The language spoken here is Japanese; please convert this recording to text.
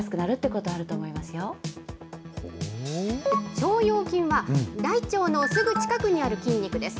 腸腰筋は、大腸のすぐ近くにある筋肉です。